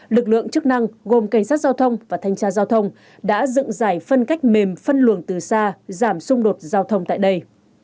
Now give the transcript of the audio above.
lực lượng chức năng gồm cảnh sát giao thông và thanh tra giao thông đã dựng giải phân cách mềm phân luồng từ xa giảm xung đột giao thông tại đây